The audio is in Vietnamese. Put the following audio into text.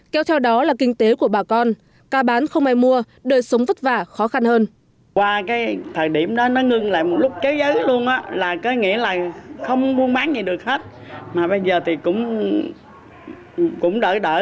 kéo theo đó là kinh tế của bà con cà bán không ai mua đời sống vất vả khó khăn hơn